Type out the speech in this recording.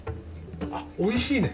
あっおいしいね？